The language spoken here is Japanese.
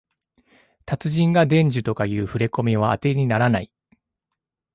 達人が伝授とかいうふれこみはあてにならない